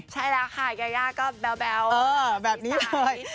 ใช่แล้วค่ะยายาก็แบ๊วแบบนี้เลย